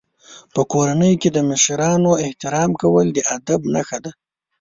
په کورنۍ کې د مشرانو احترام کول د ادب نښه ده.